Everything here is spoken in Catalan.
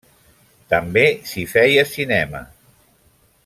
També s'hi feia cinema.